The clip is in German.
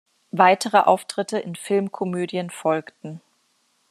Weitere Auftritte in Filmkomödien folgten.